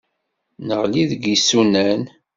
Neɣli deg yisunan.